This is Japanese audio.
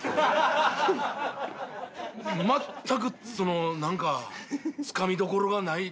全くそのなんかつかみどころがない。